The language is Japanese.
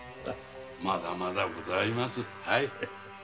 まだまだございます。